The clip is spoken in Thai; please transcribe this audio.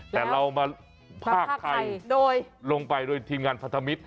แต่เรามาภาคไทยโดยลงไปโดยทีมงานพันธมิตร